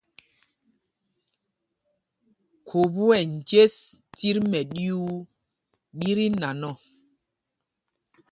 Khubú ɛ njes tit mɛɗyuu ɗí tí nan ɔ.